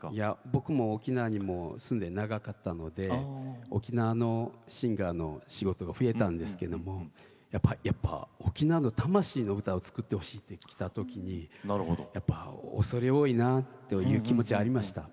僕も沖縄に住んで長かったので沖縄のシンガーの仕事が増えたんですけどもやっぱり、沖縄の魂の歌を作ってほしいって言ってきたときにやっぱり恐れ多いなという気持ちがありました。